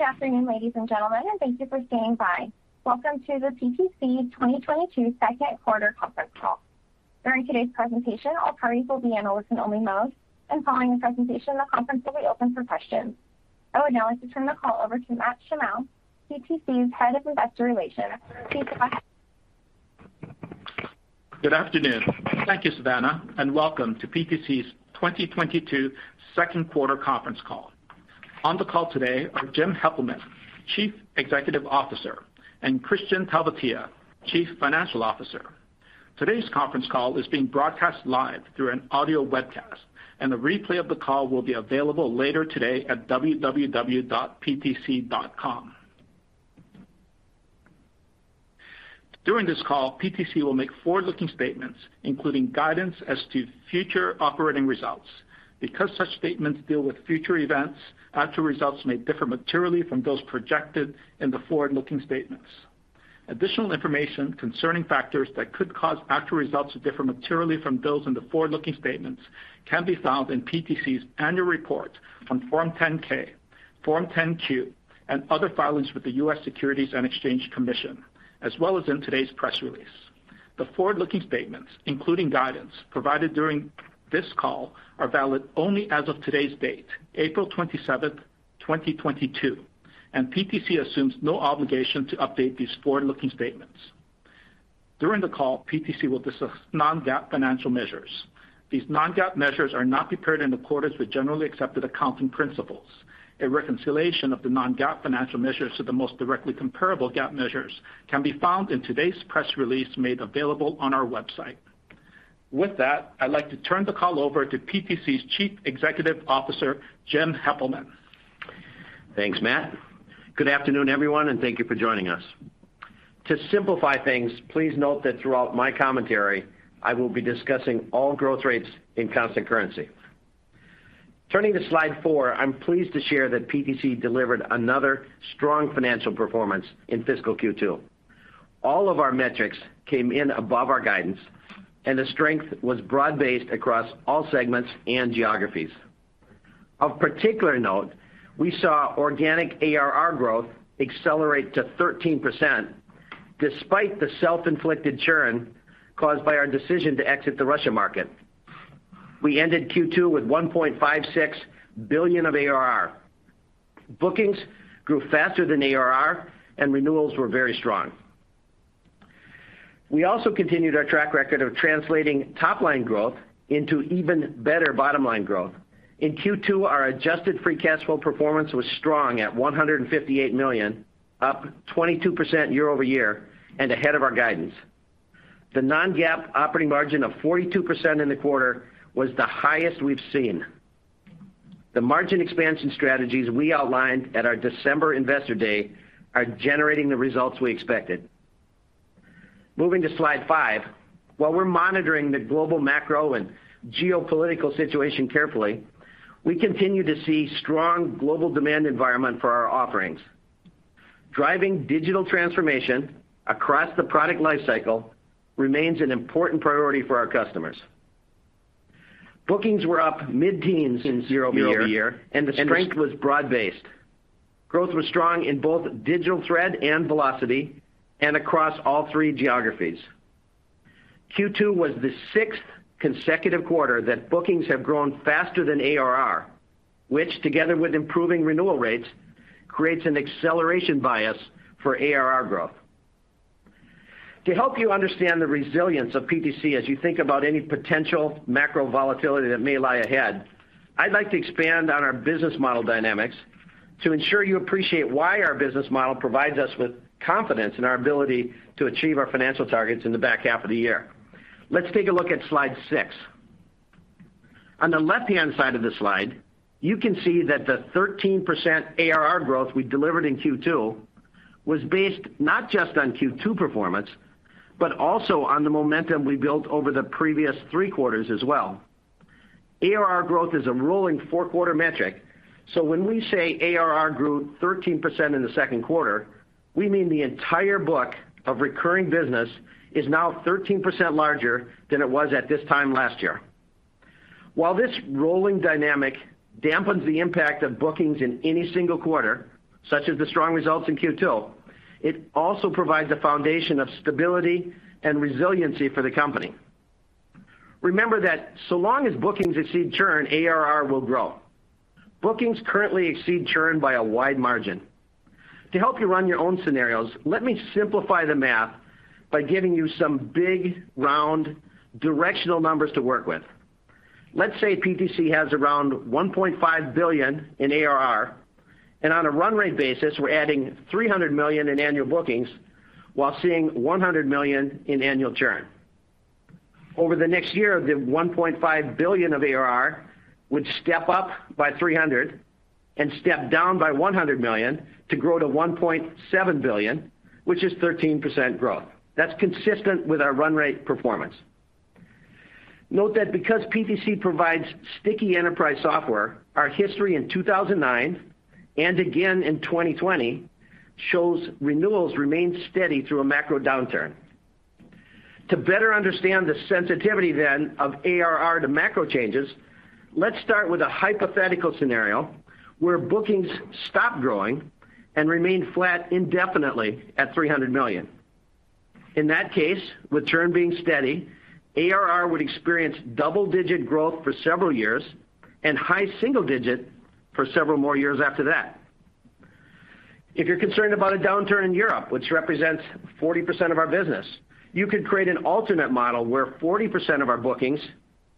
Good afternoon, ladies and gentlemen, and thank you for standing by. Welcome to the PTC 2022 Second Quarter Conference Call. During today's presentation, all parties will be in a listen only mode, and following the presentation, the conference will be open for questions. I would now like to turn the call over to Matt Shimao, PTC's Head of Investor Relations. Please go ahead. Good afternoon. Thank you, Savannah, and welcome to PTC's 2022 Second Quarter Conference Call. On the call today are Jim Heppelmann, Chief Executive Officer, and Kristian Talvitie, Chief Financial Officer. Today's conference call is being broadcast live through an audio webcast, and a replay of the call will be available later today at www.ptc.com. During this call, PTC will make forward-looking statements, including guidance as to future operating results. Because such statements deal with future events, actual results may differ materially from those projected in the forward-looking statements. Additional information concerning factors that could cause actual results to differ materially from those in the forward-looking statements can be found in PTC's annual report on Form 10-K, Form 10-Q, and other filings with the U.S. Securities and Exchange Commission, as well as in today's press release. The forward-looking statements, including guidance provided during this call, are valid only as of today's date, April twenty-seventh, twenty twenty-two, and PTC assumes no obligation to update these forward-looking statements. During the call, PTC will discuss non-GAAP financial measures. These non-GAAP measures are not prepared in accordance with generally accepted accounting principles. A reconciliation of the non-GAAP financial measures to the most directly comparable GAAP measures can be found in today's press release made available on our website. With that, I'd like to turn the call over to PTC's Chief Executive Officer, Jim Heppelmann. Thanks, Matt. Good afternoon, everyone, and thank you for joining us. To simplify things, please note that throughout my commentary, I will be discussing all growth rates in constant currency. Turning to slide 4, I'm pleased to share that PTC delivered another strong financial performance in fiscal Q2. All of our metrics came in above our guidance, and the strength was broad-based across all segments and geographies. Of particular note, we saw organic ARR growth accelerate to 13%, despite the self-inflicted churn caused by our decision to exit the Russia market. We ended Q2 with $1.56 billion of ARR. Bookings grew faster than ARR, and renewals were very strong. We also continued our track record of translating top line growth into even better bottom line growth. In Q2, our adjusted free cash flow performance was strong at $158 million, up 22% year-over-year and ahead of our guidance. The non-GAAP operating margin of 42% in the quarter was the highest we've seen. The margin expansion strategies we outlined at our December Investor Day are generating the results we expected. Moving to slide 5. While we're monitoring the global macro and geopolitical situation carefully, we continue to see strong global demand environment for our offerings. Driving digital transformation across the product life-cycle remains an important priority for our customers. Bookings were up mid-teens year-over-year, and the strength was broad-based. Growth was strong in both Digital Thread and Velocity and across all three geographies. Q2 was the sixth consecutive quarter that bookings have grown faster than ARR, which, together with improving renewal rates, creates an acceleration bias for ARR growth. To help you understand the resilience of PTC as you think about any potential macro volatility that may lie ahead, I'd like to expand on our business model dynamics to ensure you appreciate why our business model provides us with confidence in our ability to achieve our financial targets in the back half of the year. Let's take a look at slide six. On the left-hand side of the slide, you can see that the 13% ARR growth we delivered in Q2 was based not just on Q2 performance, but also on the momentum we built over the previous three quarters as well. ARR growth is a rolling four-quarter metric, so when we say ARR grew 13% in the second quarter, we mean the entire book of recurring business is now 13% larger than it was at this time last year. While this rolling dynamic dampens the impact of bookings in any single quarter, such as the strong results in Q2, it also provides a foundation of stability and resiliency for the company. Remember that so long as bookings exceed churn, ARR will grow. Bookings currently exceed churn by a wide margin. To help you run your own scenarios, let me simplify the math by giving you some big, round, directional numbers to work with. Let's say PTC has around $1.5 billion in ARR, and on a run rate basis, we're adding $300 million in annual bookings while seeing $100 million in annual churn. Over the next year, the $1.5 billion of ARR would step up by $300 million and step down by $100 million to grow to $1.7 billion, which is 13% growth. That's consistent with our run rate performance. Note that because PTC provides sticky enterprise software, our history in 2009 and again in 2020 shows renewals remain steady through a macro downturn. To better understand the sensitivity then of ARR to macro changes, let's start with a hypothetical scenario where bookings stop growing and remain flat indefinitely at $300 million. In that case, with churn being steady, ARR would experience double-digit growth for several years and high single digit for several more years after that. If you're concerned about a downturn in Europe, which represents 40% of our business, you could create an alternate model where 40% of our bookings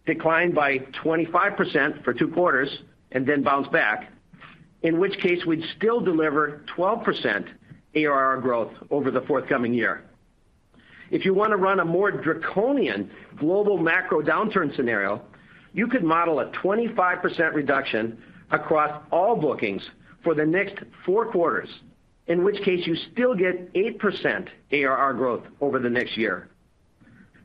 decline by 25% for 2 quarters and then bounce back, in which case we'd still deliver 12% ARR growth over the forthcoming year. If you want to run a more draconian global macro downturn scenario, you could model a 25% reduction across all bookings for the next 4 quarters, in which case you still get 8% ARR growth over the next year.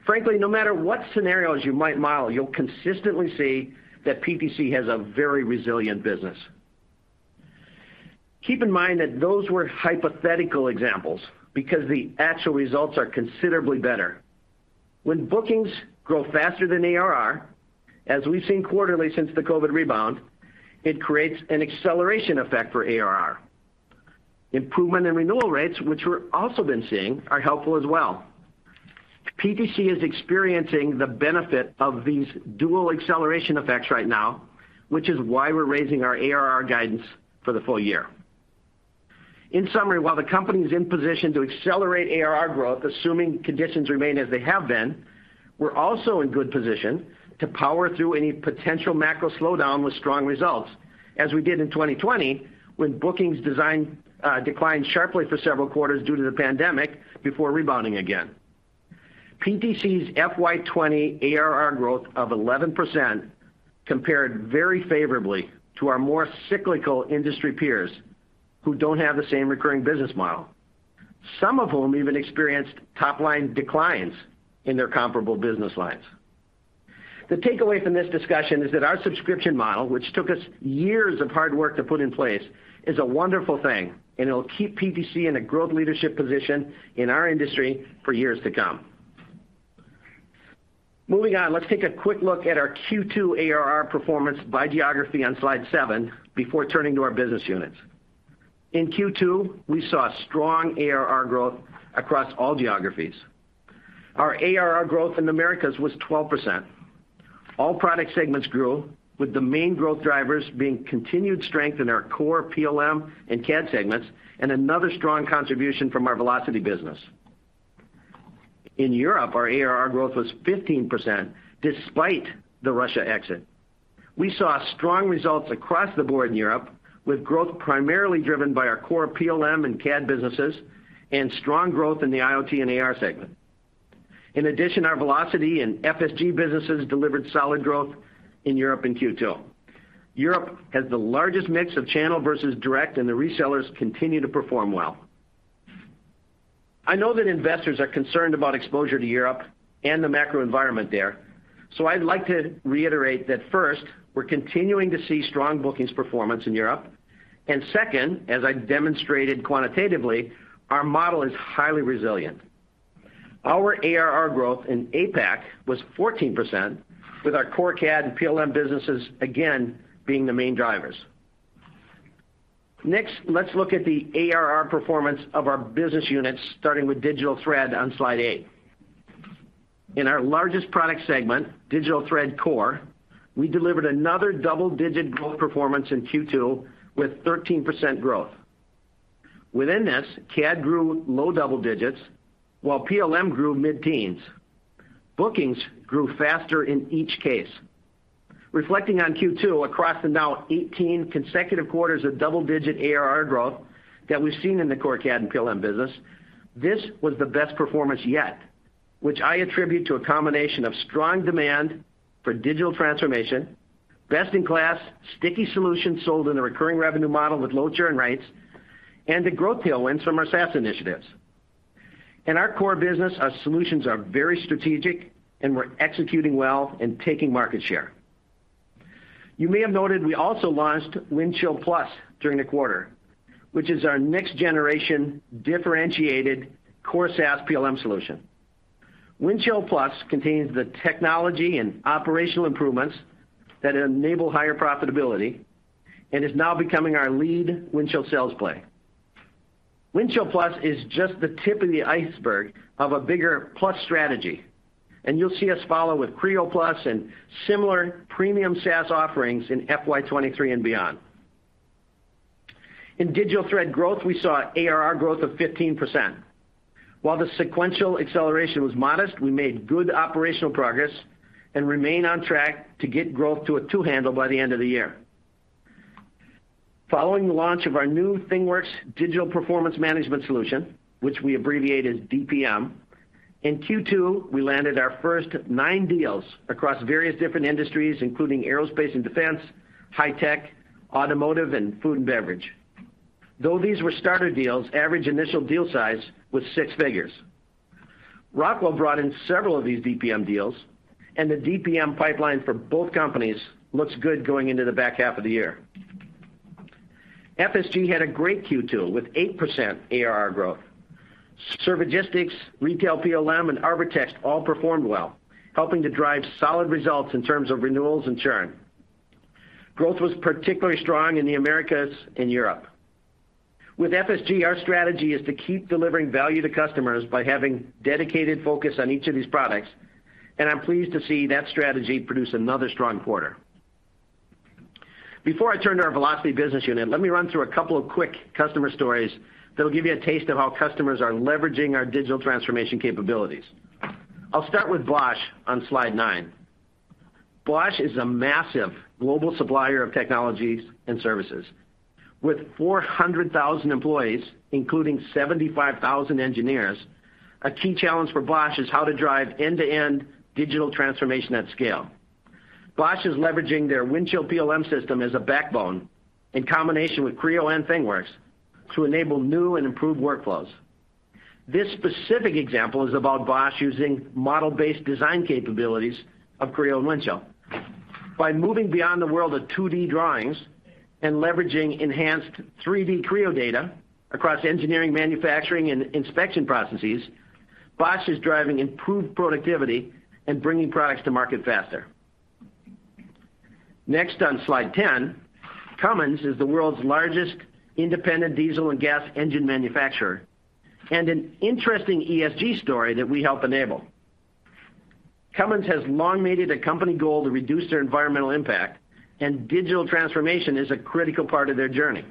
Frankly, no matter what scenarios you might model, you'll consistently see that PTC has a very resilient business. Keep in mind that those were hypothetical examples because the actual results are considerably better. When bookings grow faster than ARR, as we've seen quarterly since the COVID rebound, it creates an acceleration effect for ARR. Improvement in renewal rates, which we're also been seeing, are helpful as well. PTC is experiencing the benefit of these dual acceleration effects right now, which is why we're raising our ARR guidance for the full year. In summary, while the company is in position to accelerate ARR growth, assuming conditions remain as they have been, we're also in good position to power through any potential macro slowdown with strong results, as we did in 2020 when bookings design declined sharply for several quarters due to the pandemic before rebounding again. PTC's FY'20 ARR growth of 11% compared very favorably to our more cyclical industry peers who don't have the same recurring business model. Some of whom even experienced top-line declines in their comparable business lines. The takeaway from this discussion is that our subscription model, which took us years of hard work to put in place, is a wonderful thing, and it'll keep PTC in a growth leadership position in our industry for years to come. Moving on, let's take a quick look at our Q2 ARR performance by geography on slide 7 before turning to our business units. In Q2, we saw strong ARR growth across all geographies. Our ARR growth in Americas was 12%. All product segments grew, with the main growth drivers being continued strength in our core PLM and CAD segments, and another strong contribution from our Velocity business. In Europe, our ARR growth was 15% despite the Russia exit. We saw strong results across the board in Europe, with growth primarily driven by our core PLM and CAD businesses and strong growth in the IoT and AR segment. In addition, our Velocity and FSG businesses delivered solid growth in Europe in Q2. Europe has the largest mix of channel versus direct, and the resellers continue to perform well. I know that investors are concerned about exposure to Europe and the macro environment there, so I'd like to reiterate that first, we're continuing to see strong bookings performance in Europe. Second, as I demonstrated quantitatively, our model is highly resilient. Our ARR growth in APAC was 14%, with our core CAD and PLM businesses again being the main drivers. Next, let's look at the ARR performance of our business units, starting with Digital Thread on Slide 8. In our largest product segment, Digital Thread Core, we delivered another double-digit growth performance in Q2 with 13% growth. Within this, CAD grew low double digits, while PLM grew mid-teens. Bookings grew faster in each case. Reflecting on Q2 across the now 18 consecutive quarters of double-digit ARR growth that we've seen in the core CAD and PLM business, this was the best performance yet, which I attribute to a combination of strong demand for digital transformation, best-in-class sticky solutions sold in the recurring revenue model with low churn rates, and the growth tailwinds from our SaaS initiatives. In our core business, our solutions are very strategic, and we're executing well and taking market share. You may have noted we also launched Windchill Plus during the quarter, which is our next-generation differentiated core SaaS PLM solution. Windchill Plus contains the technology and operational improvements that enable higher profitability and is now becoming our lead Windchill sales play. Windchill+ is just the tip of the iceberg of a bigger Plus strategy, and you'll see us follow with Creo+ and similar premium SaaS offerings in FY 2023 and beyond. In Digital Thread growth, we saw ARR growth of 15%. While the sequential acceleration was modest, we made good operational progress and remain on track to get growth to a two handle by the end of the year. Following the launch of our new ThingWorx Digital Performance Management solution, which we abbreviate as DPM in Q2, we landed our first 9 deals across various different industries, including aerospace and defense, high tech, automotive, and food and beverage. Though these were starter deals, average initial deal size was six figures. Rockwell brought in several of these DPM deals, and the DPM pipeline for both companies looks good going into the back half of the year. FSG had a great Q2 with 8% ARR growth. Servigistics, FlexPLM, and Arbortext all performed well, helping to drive solid results in terms of renewals and churn. Growth was particularly strong in the Americas and Europe. With FSG, our strategy is to keep delivering value to customers by having dedicated focus on each of these products, and I'm pleased to see that strategy produce another strong quarter. Before I turn to our Velocity business unit, let me run through a couple of quick customer stories that'll give you a taste of how customers are leveraging our digital transformation capabilities. I'll start with Bosch on slide 9. Bosch is a massive global supplier of technologies and services. With 400,000 employees, including 75,000 engineers, a key challenge for Bosch is how to drive end-to-end digital transformation at scale. Bosch is leveraging their Windchill PLM system as a backbone in combination with Creo and ThingWorx to enable new and improved workflows. This specific example is about Bosch using model-based design capabilities of Creo and Windchill. By moving beyond the world of 2D drawings and leveraging enhanced 3D Creo data across engineering, manufacturing, and inspection processes, Bosch is driving improved productivity and bringing products to market faster. Next on slide 10, Cummins is the world's largest independent diesel and gas engine manufacturer and an interesting ESG story that we help enable. Cummins has long made it a company goal to reduce their environmental impact, and digital transformation is a critical part of their journey.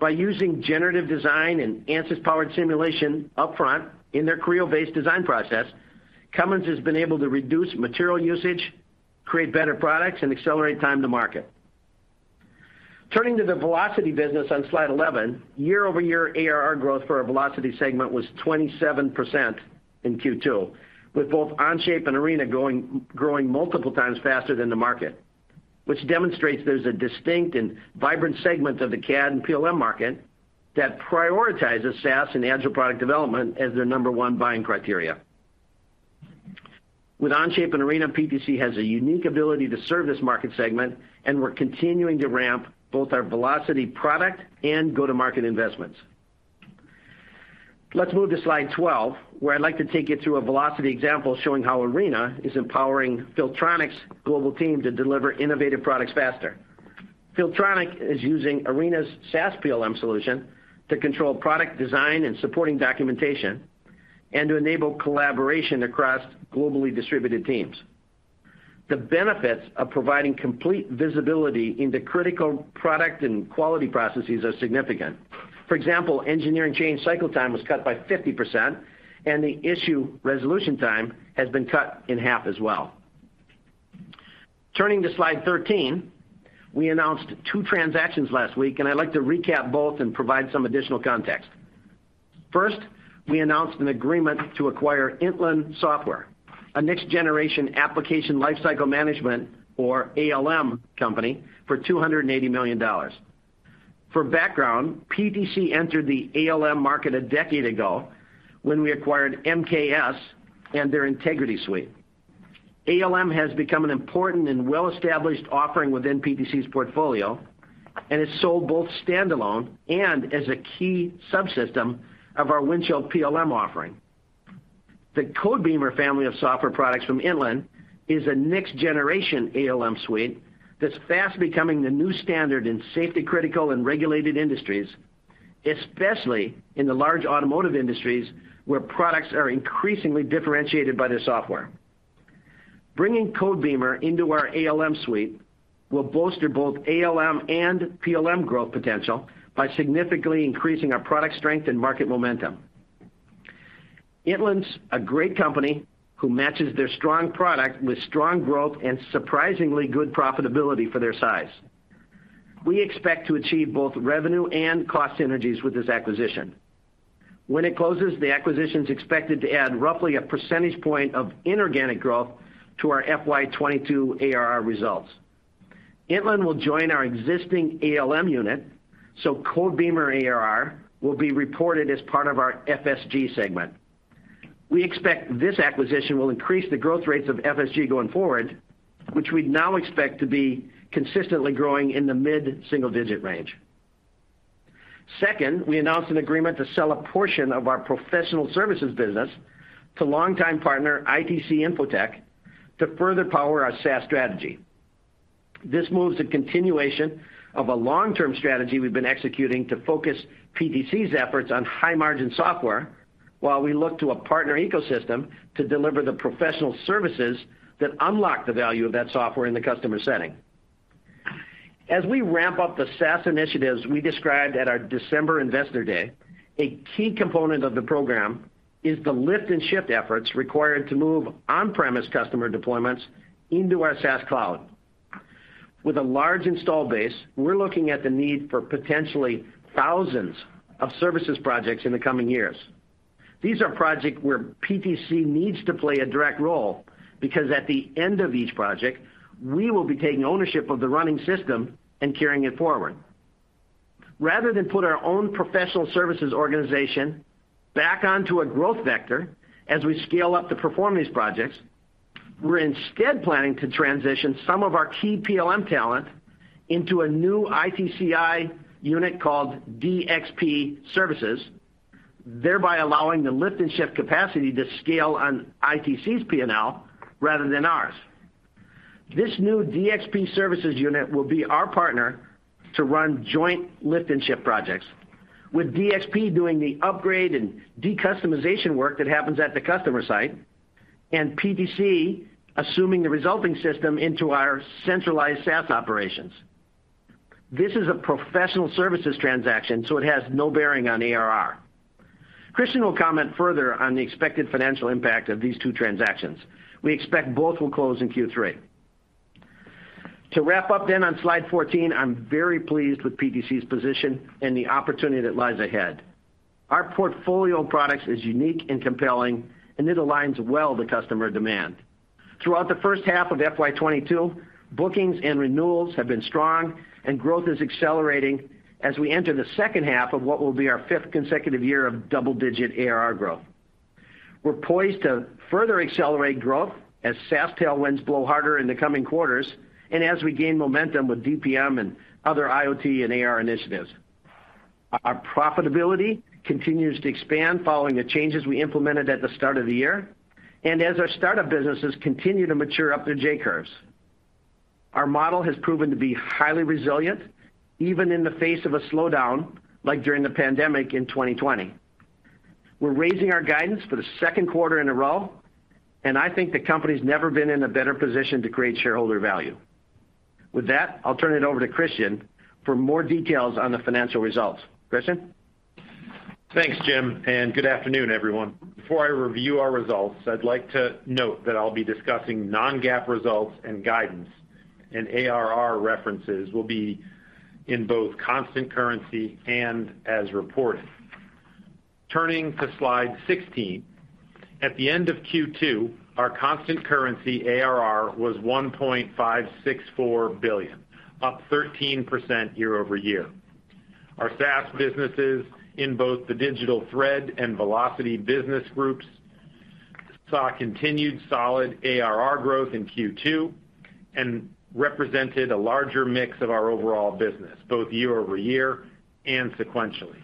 By using generative design and Ansys-powered simulation upfront in their Creo-based design process, Cummins has been able to reduce material usage, create better products, and accelerate time to market. Turning to the Velocity business on slide 11, year-over-year ARR growth for our Velocity segment was 27% in Q2, with both Onshape and Arena growing multiple times faster than the market, which demonstrates there's a distinct and vibrant segment of the CAD and PLM market that prioritizes SaaS and agile product development as their number one buying criteria. With Onshape and Arena, PTC has a unique ability to serve this market segment, and we're continuing to ramp both our Velocity product and go-to-market investments. Let's move to slide 12, where I'd like to take you through a Velocity example showing how Arena is empowering Filtronic's global team to deliver innovative products faster. Filtronic is using Arena's SaaS PLM solution to control product design and supporting documentation and to enable collaboration across globally distributed teams. The benefits of providing complete visibility into critical product and quality processes are significant. For example, engineering change cycle time was cut by 50%, and the issue resolution time has been cut in half as well. Turning to slide 13, we announced two transactions last week, and I'd like to recap both and provide some additional context. First, we announced an agreement to acquire Intland Software, a next-generation application life-cycle management or ALM company, for $280 million. For background, PTC entered the ALM market a decade ago when we acquired MKS and their Integrity suite. ALM has become an important and well-established offering within PTC's portfolio and is sold both standalone and as a key subsystem of our Windchill PLM offering. The Codebeamer family of software products from Intland is a next-generation ALM suite that's fast becoming the new standard in safety-critical and regulated industries, especially in the large automotive industries where products are increasingly differentiated by their software. Bringing Codebeamer into our ALM suite will bolster both ALM and PLM growth potential by significantly increasing our product strength and market momentum. Intland's a great company who matches their strong product with strong growth and surprisingly good profitability for their size. We expect to achieve both revenue and cost synergies with this acquisition. When it closes, the acquisition is expected to add roughly a percentage point of inorganic growth to our FY 2022 ARR results. Intland will join our existing ALM unit, so Codebeamer ARR will be reported as part of our FSG segment. We expect this acquisition will increase the growth rates of FSG going forward, which we now expect to be consistently growing in the mid-single-digit range. Second, we announced an agreement to sell a portion of our professional services business to longtime partner ITC Infotech to further power our SaaS strategy. This move is a continuation of a long-term strategy we've been executing to focus PTC's efforts on high-margin software while we look to a partner ecosystem to deliver the professional services that unlock the value of that software in the customer setting. As we ramp up the SaaS initiatives we described at our December Investor Day, a key component of the program is the lift-and-shift efforts required to move on-premise customer deployments into our SaaS cloud. With a large installed base, we're looking at the need for potentially thousands of services projects in the coming years. These are projects where PTC needs to play a direct role because at the end of each project, we will be taking ownership of the running system and carrying it forward. Rather than put our own professional services organization back onto a growth vector as we scale up to perform these projects. We're instead planning to transition some of our key PLM talent into a new ITCI unit called DxP Services, thereby allowing the lift and shift capacity to scale on ITC's P&L rather than ours. This new DxP Services unit will be our partner to run joint lift and shift projects, with DxP doing the upgrade and decustomization work that happens at the customer site, and PTC assuming the resulting system into our centralized SaaS operations. This is a professional services transaction, so it has no bearing on ARR. Kristian will comment further on the expected financial impact of these two transactions. We expect both will close in Q3. To wrap up then on slide 14, I'm very pleased with PTC's position and the opportunity that lies ahead. Our portfolio of products is unique and compelling, and it aligns well to customer demand. Throughout the first half of FY'22, bookings and renewals have been strong, and growth is accelerating as we enter the second half of what will be our fifth consecutive year of double-digit ARR growth. We're poised to further accelerate growth as SaaS tailwinds blow harder in the coming quarters, and as we gain momentum with DPM and other IoT and AR initiatives. Our profitability continues to expand following the changes we implemented at the start of the year, and as our startup businesses continue to mature up their J-curves. Our model has proven to be highly resilient, even in the face of a slowdown, like during the pandemic in 2020. We're raising our guidance for the second quarter in a row, and I think the company's never been in a better position to create shareholder value. With that, I'll turn it over to Kristian for more details on the financial results. Kristian? Thanks, Jim, and good afternoon, everyone. Before I review our results, I'd like to note that I'll be discussing non-GAAP results and guidance, and ARR references will be in both constant currency and as reported. Turning to slide 16, at the end of Q2, our constant currency ARR was $1.564 billion, up 13% year-over-year. Our SaaS businesses in both the Digital Thread and Velocity business groups saw continued solid ARR growth in Q2 and represented a larger mix of our overall business, both year-over-year and sequentially.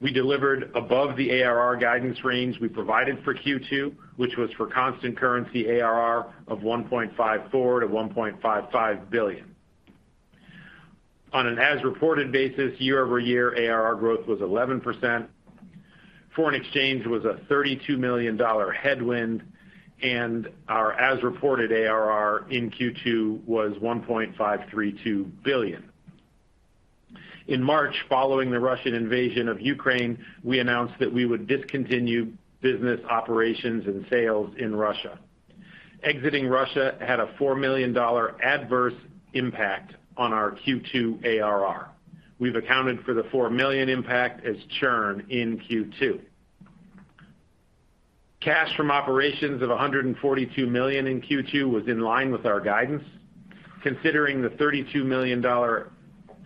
We delivered above the ARR guidance range we provided for Q2, which was for constant currency ARR of $1.54-$1.55 billion. On an as-reported basis, year-over-year ARR growth was 11%. Foreign exchange was a $32 million headwind, and our as-reported ARR in Q2 was $1.532 billion. In March, following the Russian invasion of Ukraine, we announced that we would discontinue business operations and sales in Russia. Exiting Russia had a $4 million adverse impact on our Q2 ARR. We've accounted for the $4 million impact as churn in Q2. Cash from operations of $142 million in Q2 was in line with our guidance. Considering the $32 million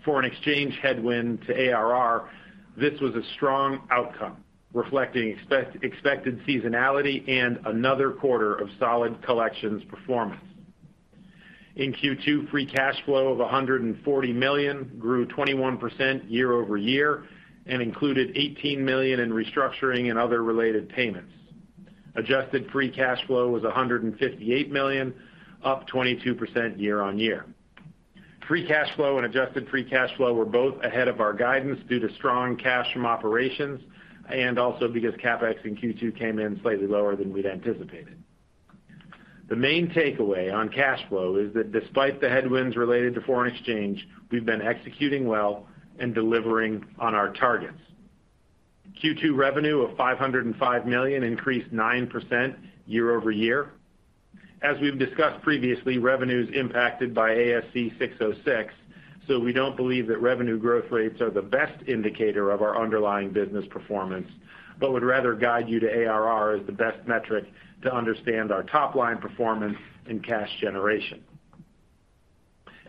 foreign exchange headwind to ARR, this was a strong outcome, reflecting expected seasonality and another quarter of solid collections performance. In Q2, free cash flow of $140 million grew 21% year-over-year and included $18 million in restructuring and other related payments. Adjusted free cash flow was $158 million, up 22% year-over-year. Free cash flow and adjusted free cash flow were both ahead of our guidance due to strong cash from operations and also because CapEx in Q2 came in slightly lower than we'd anticipated. The main takeaway on cash flow is that despite the headwinds related to foreign exchange, we've been executing well and delivering on our targets. Q2 revenue of $505 million increased 9% year-over-year. As we've discussed previously, revenue is impacted by ASC 606, so we don't believe that revenue growth rates are the best indicator of our underlying business performance, but would rather guide you to ARR as the best metric to understand our top-line performance and cash generation.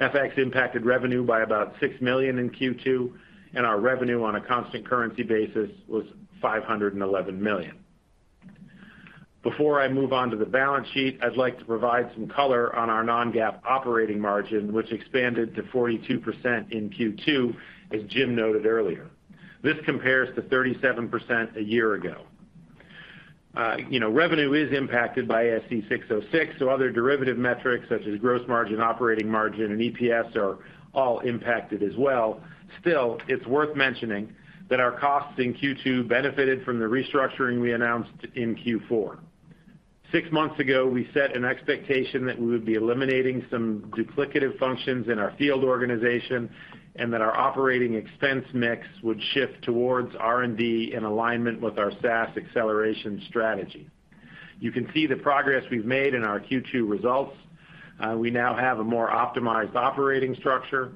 FX impacted revenue by about $6 million in Q2, and our revenue on a constant currency basis was $511 million. Before I move on to the balance sheet, I'd like to provide some color on our non-GAAP operating margin, which expanded to 42% in Q2, as Jim noted earlier. This compares to 37% a year ago. You know, revenue is impacted by ASC 606, so other derivative metrics such as gross margin, operating margin, and EPS are all impacted as well. Still, it's worth mentioning that our costs in Q2 benefited from the restructuring we announced in Q4. Six months ago, we set an expectation that we would be eliminating some duplicative functions in our field organization and that our operating expense mix would shift towards R&D in alignment with our SaaS acceleration strategy. You can see the progress we've made in our Q2 results. We now have a more optimized operating structure,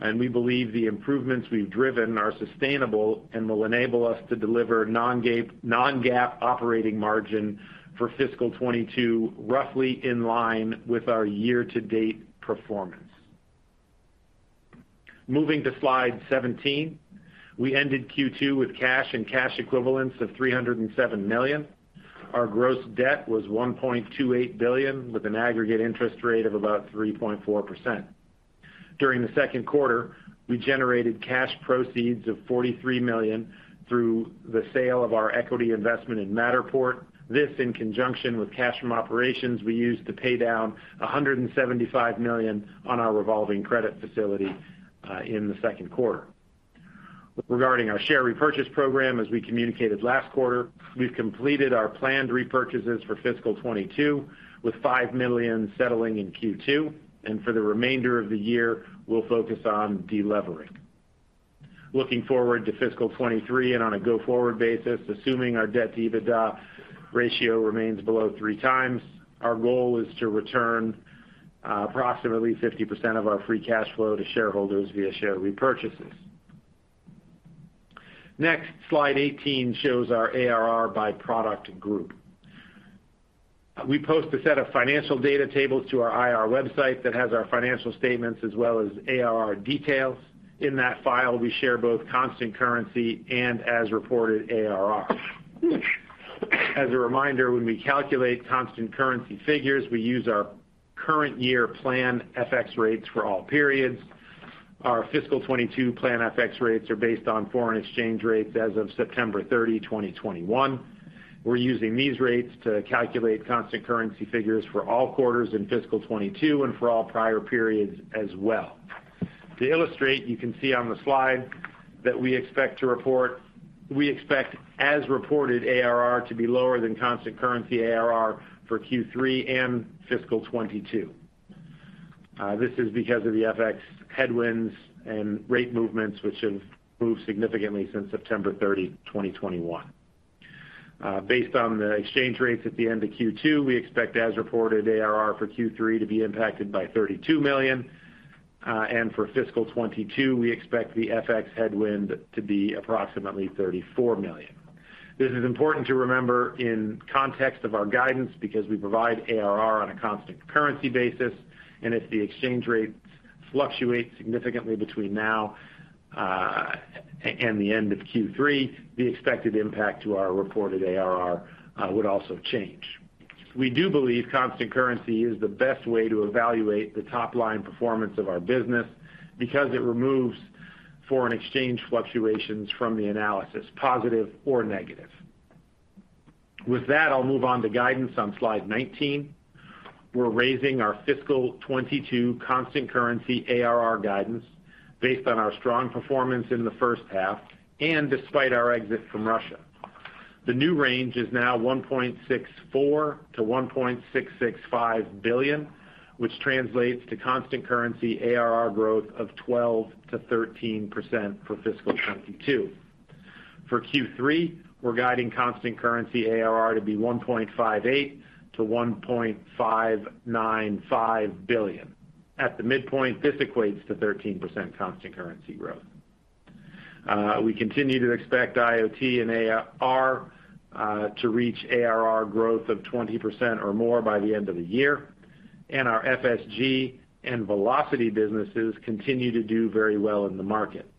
and we believe the improvements we've driven are sustainable and will enable us to deliver non-GAAP operating margin for fiscal 2022 roughly in line with our year-to-date performance. Moving to slide 17. We ended Q2 with cash and cash equivalents of $307 million. Our gross debt was $1.28 billion, with an aggregate interest rate of about 3.4%. During the second quarter, we generated cash proceeds of $43 million through the sale of our equity investment in Matterport. This, in conjunction with cash from operations, we used to pay down $175 million on our revolving credit facility in the second quarter. Regarding our share repurchase program, as we communicated last quarter, we've completed our planned repurchases for fiscal 2022, with 5 million settling in Q2, and for the remainder of the year, we'll focus on de-levering. Looking forward to fiscal 2023, and on a go-forward basis, assuming our debt-to-EBITDA ratio remains below three times, our goal is to return approximately 50% of our free cash flow to shareholders via share repurchases. Next, slide 18 shows our ARR by product group. We post a set of financial data tables to our IR website that has our financial statements as well as ARR details. In that file, we share both constant currency and as-reported ARR. As a reminder, when we calculate constant currency figures, we use our current year plan FX rates for all periods. Our fiscal 2022 plan FX rates are based on foreign exchange rates as of September 30, 2021. We're using these rates to calculate constant currency figures for all quarters in fiscal 2022 and for all prior periods as well. To illustrate, you can see on the slide that we expect as-reported ARR to be lower than constant currency ARR for Q3 and fiscal 2022. This is because of the FX headwinds and rate movements which have moved significantly since September 30, 2021. Based on the exchange rates at the end of Q2, we expect as-reported ARR for Q3 to be impacted by $32 million. For fiscal 2022, we expect the FX headwind to be approximately $34 million. This is important to remember in context of our guidance because we provide ARR on a constant currency basis, and if the exchange rates fluctuate significantly between now and the end of Q3, the expected impact to our reported ARR would also change. We do believe constant currency is the best way to evaluate the top-line performance of our business because it removes foreign exchange fluctuations from the analysis, positive or negative. With that, I'll move on to guidance on slide 19. We're raising our fiscal 2022 constant currency ARR guidance based on our strong performance in the first half and despite our exit from Russia. The new range is now $1.64 billion-$1.665 billion, which translates to constant currency ARR growth of 12%-13% for fiscal 2022. For Q3, we're guiding constant currency ARR to be $1.58 billion-$1.595 billion. At the midpoint, this equates to 13% constant currency growth. We continue to expect IoT and AR to reach ARR growth of 20% or more by the end of the year, and our FSG and Velocity businesses continue to do very well in the market.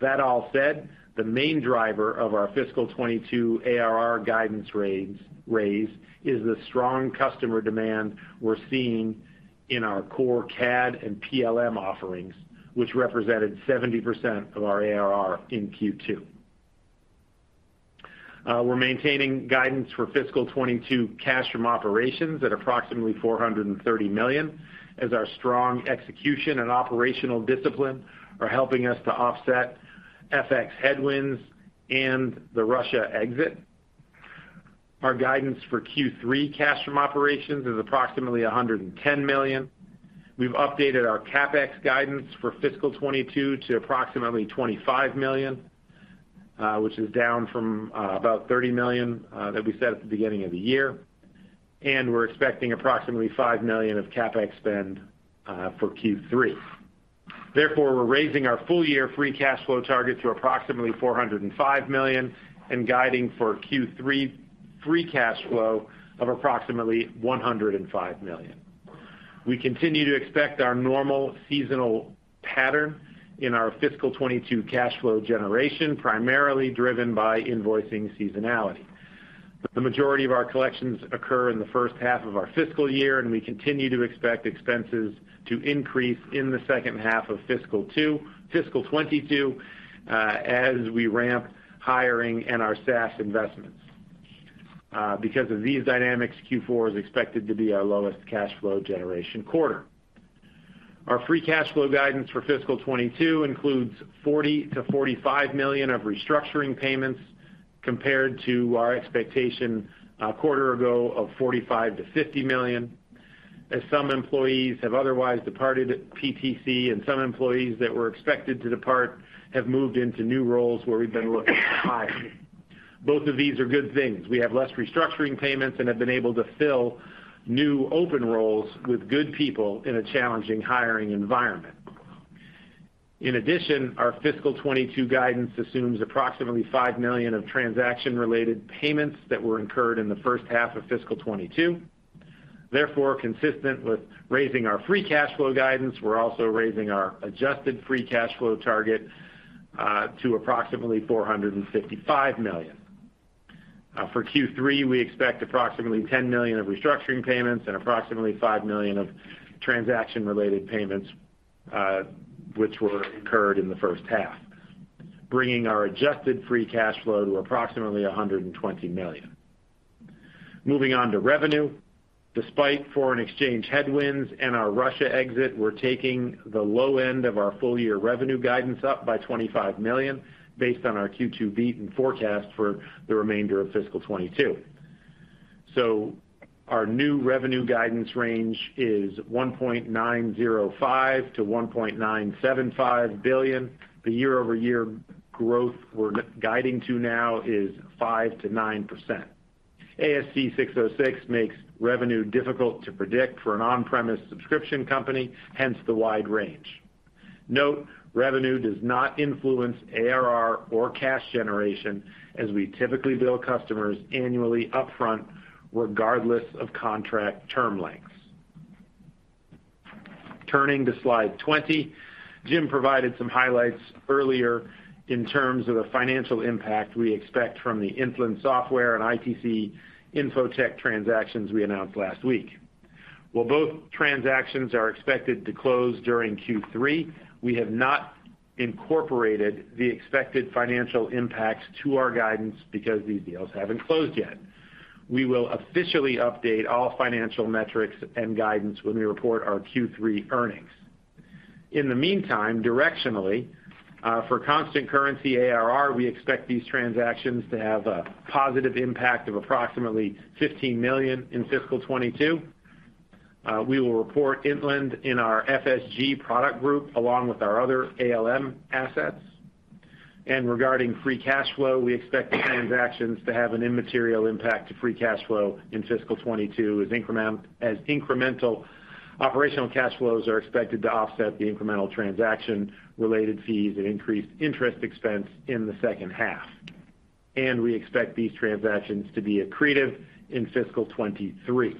That all said, the main driver of our fiscal 2022 ARR guidance raise is the strong customer demand we're seeing in our core CAD and PLM offerings, which represented 70% of our ARR in Q2. We're maintaining guidance for fiscal '22 cash from operations at approximately $430 million as our strong execution and operational discipline are helping us to offset FX headwinds and the Russia exit. Our guidance for Q3 cash from operations is approximately $110 million. We've updated our CapEx guidance for fiscal'22 to approximately $25 million, which is down from about $30 million that we set at the beginning of the year. We're expecting approximately $5 million of CapEx spend for Q3. Therefore, we're raising our full year free cash flow target to approximately $405 million and guiding for Q3 free cash flow of approximately $105 million. We continue to expect our normal seasonal pattern in our fiscal'22 cash flow generation, primarily driven by invoicing seasonality. The majority of our collections occur in the first half of our fiscal year, and we continue to expect expenses to increase in the second half of fiscal 2022 as we ramp hiring and our SaaS investments. Because of these dynamics, Q4 is expected to be our lowest cash flow generation quarter. Our free cash flow guidance for fiscal 2022 includes $40-$45 million of restructuring payments compared to our expectation a quarter ago of $45-$50 million, as some employees have otherwise departed PTC and some employees that were expected to depart have moved into new roles where we've been looking to hire. Both of these are good things. We have less restructuring payments and have been able to fill new open roles with good people in a challenging hiring environment. In addition, our fiscal 2022 guidance assumes approximately $5 million of transaction-related payments that were incurred in the first half of fiscal 2022. Therefore, consistent with raising our free cash flow guidance, we're also raising our adjusted free cash flow target to approximately $455 million. For Q3, we expect approximately $10 million of restructuring payments and approximately $5 million of transaction-related payments, which were incurred in the first half, bringing our adjusted free cash flow to approximately $120 million. Moving on to revenue. Despite foreign exchange headwinds and our Russia exit, we're taking the low end of our full-year revenue guidance up by $25 million based on our Q2 beat and forecast for the remainder of fiscal 2022. Our new revenue guidance range is $1.905 billion-$1.975 billion. The year-over-year growth we're guiding to now is 5%-9%. ASC 606 makes revenue difficult to predict for an on-premise subscription company, hence the wide range. Note, revenue does not influence ARR or cash generation as we typically bill customers annually upfront regardless of contract term lengths. Turning to slide 20. Jim provided some highlights earlier in terms of the financial impact we expect from the Intland Software and ITC Infotech transactions we announced last week. While both transactions are expected to close during Q3, we have not incorporated the expected financial impacts to our guidance because these deals haven't closed yet. We will officially update all financial metrics and guidance when we report our Q3 earnings. In the meantime, directionally, for constant currency ARR, we expect these transactions to have a positive impact of approximately $15 million in fiscal 2022. We will report Intland in our FSG product group along with our other ALM assets. Regarding free cash flow, we expect the transactions to have an immaterial impact to free cash flow in fiscal 2022 as incremental operational cash flows are expected to offset the incremental transaction-related fees and increased interest expense in the second half. We expect these transactions to be accretive in fiscal 2023.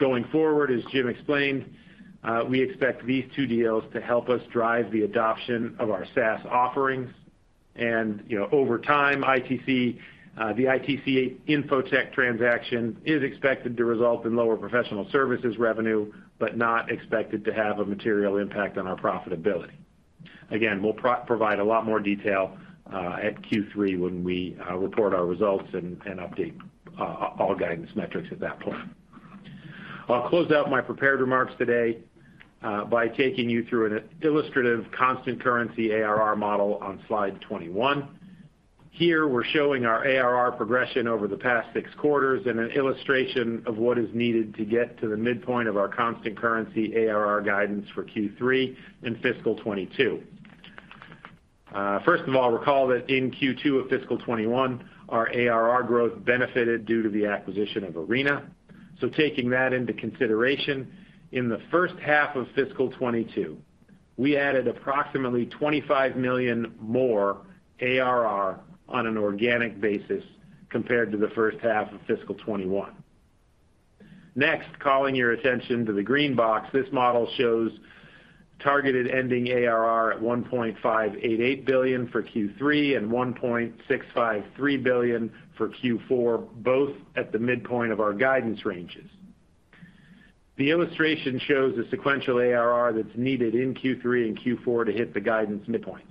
Going forward, as Jim explained, we expect these two deals to help us drive the adoption of our SaaS offerings. Over time, ITC, the ITC Infotech transaction is expected to result in lower professional services revenue, but not expected to have a material impact on our profitability. Again, we'll provide a lot more detail at Q3 when we report our results and update all guidance metrics at that point. I'll close out my prepared remarks today, by taking you through an illustrative constant currency ARR model on slide 21. Here, we're showing our ARR progression over the past six quarters and an illustration of what is needed to get to the midpoint of our constant currency ARR guidance for Q3 in fiscal 2022. First of all, recall that in Q2 of fiscal 2021, our ARR growth benefited due to the acquisition of Arena. Taking that into consideration, in the first half of fiscal 2022, we added approximately $25 million more ARR on an organic basis compared to the first half of fiscal 2021. Next, calling your attention to the green box, this model shows targeted ending ARR at $1.588 billion for Q3 and $1.653 billion for Q4, both at the midpoint of our guidance ranges. The illustration shows the sequential ARR that's needed in Q3 and Q4 to hit the guidance midpoints.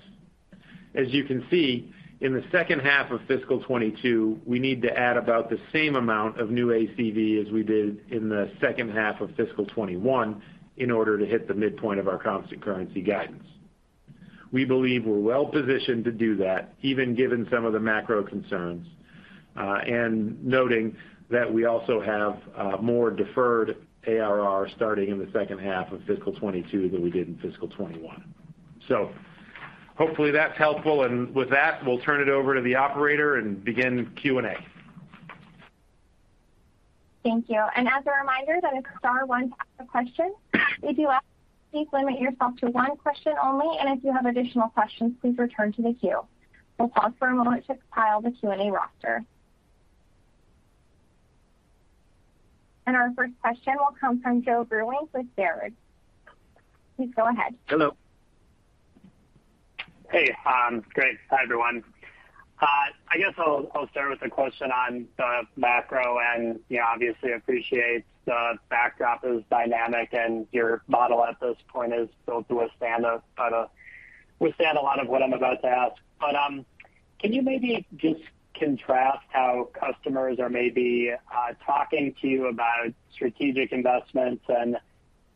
As you can see, in the second half of fiscal 2022, we need to add about the same amount of new ACV as we did in the second half of fiscal 2021 in order to hit the midpoint of our constant currency guidance. We believe we're well positioned to do that, even given some of the macro concerns, and noting that we also have more deferred ARR starting in the second half of fiscal 2022 than we did in fiscal 2021. Hopefully, that's helpful. With that, we'll turn it over to the operator and begin Q&A. Thank you. As a reminder, that is star one to ask a question. We do ask that you please limit yourself to one question only, and if you have additional questions, please return to the queue. We'll pause for a moment to compile the Q&A roster. Our first question will come from Joe Vruwink with Baird. Please go ahead. Hello. Hey, great. Hi, everyone. I guess I'll start with a question on the macro, you know, obviously appreciate the backdrop is dynamic and your model at this point is built to withstand a lot of what I'm about to ask. Can you maybe just contrast how customers are maybe talking to you about strategic investments and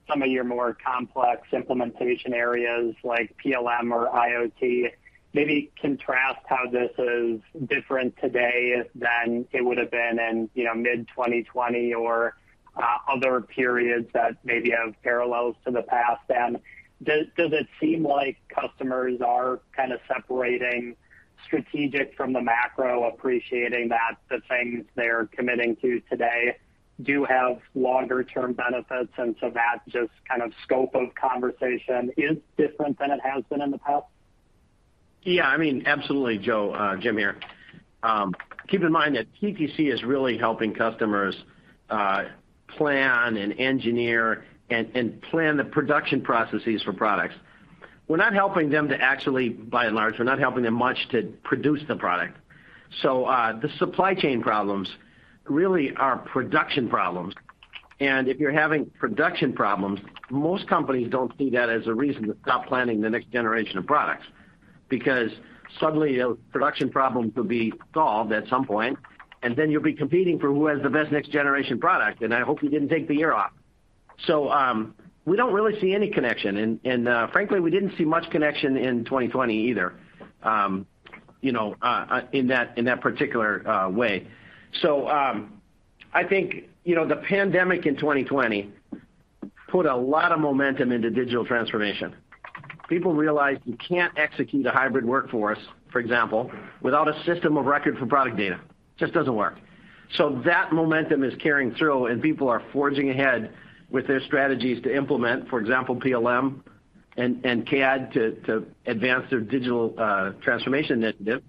some of your more complex implementation areas like PLM or IoT? Maybe contrast how this is different today than it would have been in, you know, mid-2020 or other periods that maybe have parallels to the past then. Does it seem like customers are kind of separating strategic from the macro, appreciating that the things they're committing to today do have longer-term benefits, and so that just kind of scope of conversation is different than it has been in the past? Yeah, I mean, absolutely, Joe. Jim here. Keep in mind that PTC is really helping customers plan and engineer and plan the production processes for products. We're not helping them by and large, we're not helping them much to produce the product. The supply chain problems really are production problems. If you're having production problems, most companies don't see that as a reason to stop planning the next generation of products. Because suddenly those production problems will be solved at some point, and then you'll be competing for who has the best next generation product, and I hope you didn't take the year off. We don't really see any connection, and frankly, we didn't see much connection in 2020 either, in that particular way. I think, you know, the pandemic in 2020 put a lot of momentum into digital transformation. People realized you can't execute a hybrid workforce, for example, without a system of record for product data. Just doesn't work. That momentum is carrying through, and people are forging ahead with their strategies to implement, for example, PLM and CAD to advance their digital transformation initiative,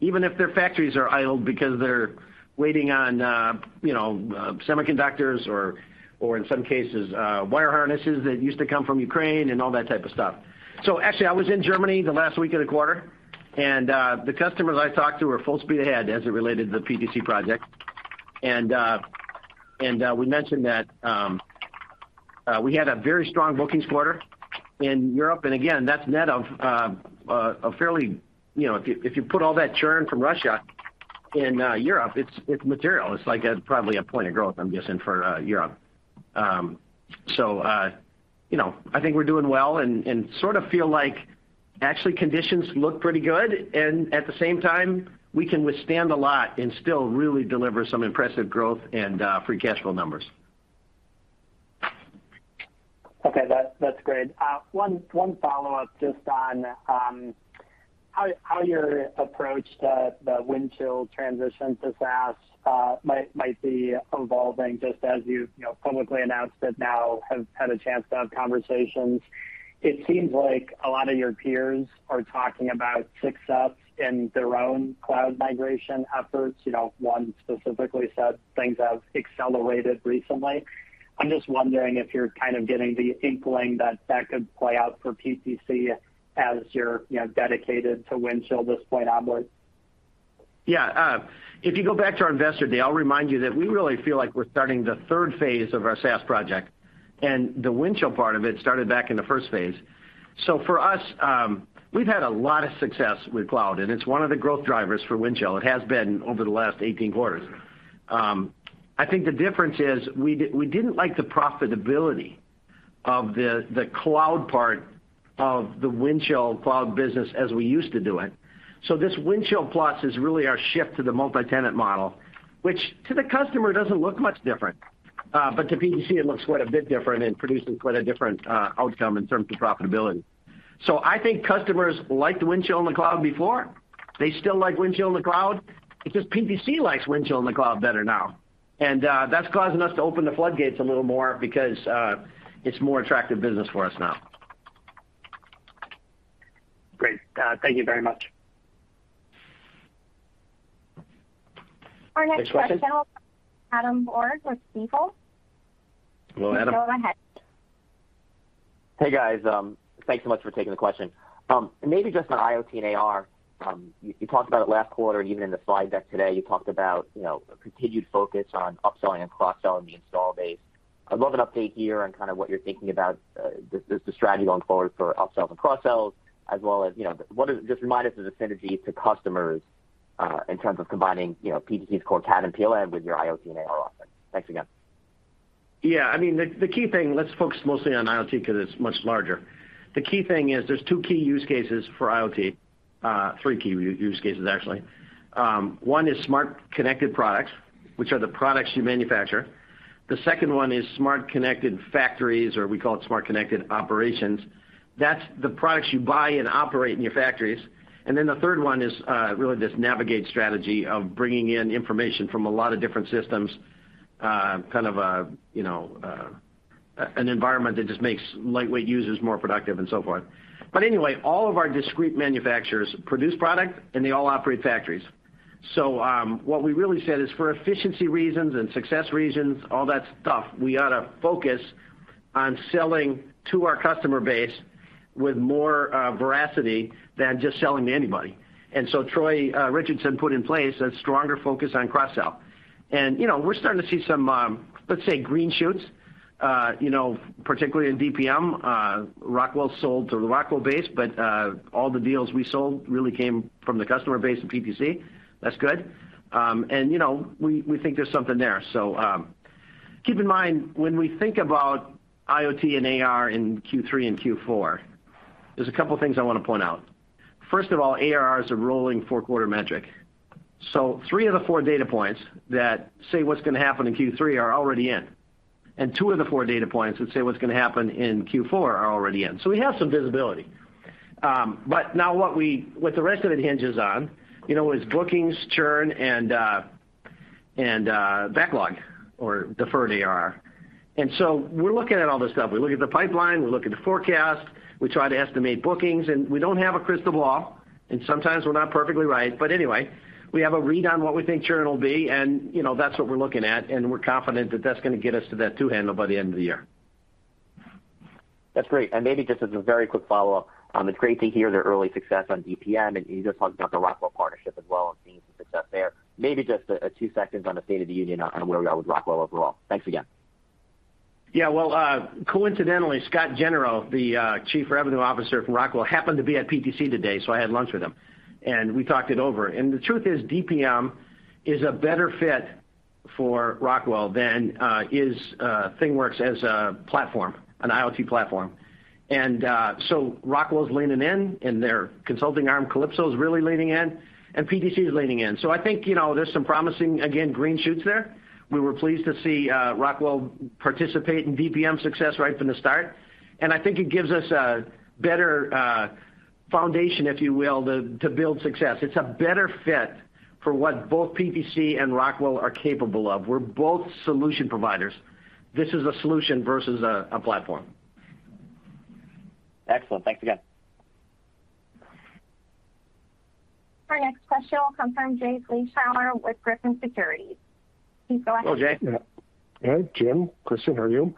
even if their factories are idled because they're waiting on, you know, semiconductors or in some cases, wire harnesses that used to come from Ukraine and all that type of stuff. Actually, I was in Germany the last week of the quarter, and the customers I talked to are full speed ahead as it related to the PTC project. We mentioned that we had a very strong bookings quarter in Europe, and again, that's net of a fairly you know, if you, if you put all that churn from Russia in Europe, it's material. It's like probably a point of growth, I'm guessing, for Europe. So you know, I think we're doing well and sort of feel like actually conditions look pretty good, and at the same time, we can withstand a lot and still really deliver some impressive growth and free cash flow numbers. Okay. That's great. One follow-up just on how your approach to the Windchill transition to SaaS might be evolving, just as you've you know publicly announced it now have had a chance to have conversations. It seems like a lot of your peers are talking about success in their own cloud migration efforts. You know, one specifically said things have accelerated recently. I'm just wondering if you're kind of getting the inkling that could play out for PTC as you're you know dedicated to Windchill this point onward. Yeah. If you go back to our Investor Day, I'll remind you that we really feel like we're starting the third phase of our SaaS project, and the Windchill part of it started back in the first phase. For us, we've had a lot of success with cloud, and it's one of the growth drivers for Windchill. It has been over the last 18 quarters. I think the difference is we didn't like the profitability of the cloud part of the Windchill cloud business as we used to do it. This Windchill Plus is really our shift to the multi-tenant model, which to the customer doesn't look much different. But to PTC, it looks quite a bit different and produces quite a different outcome in terms of profitability. I think customers liked Windchill in the cloud before. They still like Windchill in the cloud. It's just PTC likes Windchill in the cloud better now. That's causing us to open the floodgates a little more because it's more attractive business for us now. Great. Thank you very much. Our next question. Next question? Adam Borg with Stifel. Hello, Adam. Go ahead. Hey, guys. Thanks so much for taking the question. Maybe just on IoT and AR. You talked about it last quarter. Even in the slide deck today, you talked about, you know, a continued focus on upselling and cross-selling the install base. I'd love an update here on kind of what you're thinking about the strategy going forward for upsells and cross-sells, as well as, you know, just remind us of the synergies to customers in terms of combining, you know, PTC's core CAD and PLM with your IoT and AR offering. Thanks again. I mean, the key thing, let's focus mostly on IoT 'cause it's much larger. The key thing is there's two key use cases for IoT. Three key use cases, actually. One is smart connected products, which are the products you manufacture. The second one is smart connected factories, or we call it smart connected operations. That's the products you buy and operate in your factories. The third one is really this Navigate strategy of bringing in information from a lot of different systems, kind of a, you know, an environment that just makes lightweight users more productive and so forth. Anyway, all of our discrete manufacturers produce product, and they all operate factories. What we really said is for efficiency reasons and success reasons, all that stuff, we ought to focus on selling to our customer base with more ferocity than just selling to anybody. Troy Richardson put in place a stronger focus on cross-sell. You know, we're starting to see some, let's say, green shoots, you know, particularly in DPM. Rockwell sold to the Rockwell base, but all the deals we sold really came from the customer base of PTC. That's good. You know, we think there's something there. Keep in mind, when we think about IoT and AR in Q3 and Q4, there's a couple of things I wanna point out. First of all, ARR is a rolling four-quarter metric. Three of the four data points that say what's gonna happen in Q3 are already in, and two of the four data points that say what's gonna happen in Q4 are already in. We have some visibility. Now what the rest of it hinges on, you know, is bookings, churn, and backlog or deferred ARR. We're looking at all this stuff. We look at the pipeline, we look at the forecast, we try to estimate bookings, and we don't have a crystal ball, and sometimes we're not perfectly right. Anyway, we have a read on what we think churn will be and, you know, that's what we're looking at, and we're confident that that's gonna get us to that 2 handle by the end of the year. That's great. Maybe just as a very quick follow-up, it's great to hear the early success on DPM, and you just talked about the Rockwell partnership as well and seeing some success there. Maybe just a two seconds on the state of the union on where we are with Rockwell overall. Thanks again. Yeah. Well, coincidentally, Scott Genereux, the Chief Revenue Officer from Rockwell, happened to be at PTC today, so I had lunch with him, and we talked it over. The truth is DPM is a better fit for Rockwell than is ThingWorx as a platform, an IoT platform. Rockwell is leaning in, and their consulting arm, Kalypso, is really leaning in, and PTC is leaning in. I think, you know, there's some promising, again, green shoots there. We were pleased to see Rockwell participate in DPM success right from the start, and I think it gives us a better foundation, if you will, to build success. It's a better fit for what both PTC and Rockwell are capable of. We're both solution providers. This is a solution versus a platform. Excellent. Thanks again. Our next question will come from Jay Vleeschhouwer with Griffin Securities. Please go ahead. Hello, Jay. Hey, Jim. Kristian, how are you?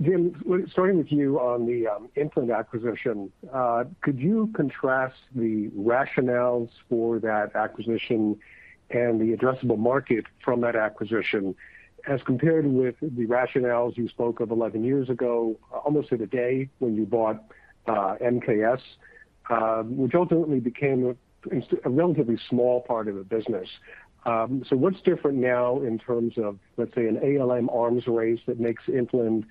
Jim, starting with you on the Intland acquisition, could you contrast the rationales for that acquisition and the addressable market from that acquisition as compared with the rationales you spoke of 11 years ago, almost to the day when you bought MKS, which ultimately is a relatively small part of the business. So what's different now in terms of, let's say, an ALM arms race that makes Intland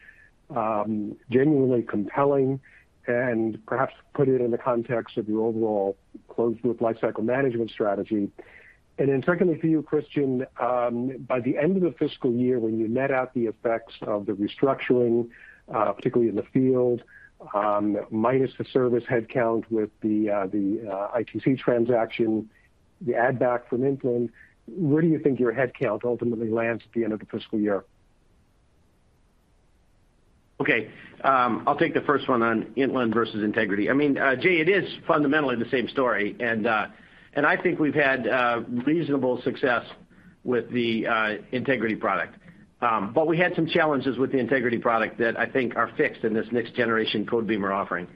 genuinely compelling and perhaps put it in the context of your overall closed-loop life-cycle management strategy? For you, Kristian, by the end of the fiscal year, when you net out the effects of the restructuring, particularly in the field, minus the service headcount with the ITC transaction, the add back from Intland, where do you think your headcount ultimately lands at the end of the fiscal year? Okay. I'll take the first one on Intland versus Integrity. I mean, Jay, it is fundamentally the same story. I think we've had reasonable success with the Integrity product. We had some challenges with the Integrity product that I think are fixed in this next generation Codebeamer offering.